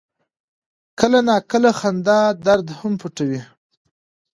کله ناکله خندا درد هم پټوي.